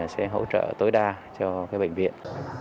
sẽ hỗ trợ tối đa cho bệnh viện